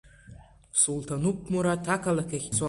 Сулҭанупмураҭ ақалақь ахь дцоит…